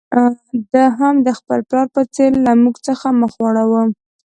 ده هم د خپل پلار په څېر له موږ څخه مخ واړاوه.